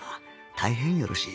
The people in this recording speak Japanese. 大変よろしい。